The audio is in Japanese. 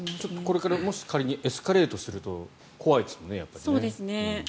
これからもし仮にエスカレートするとそうですね。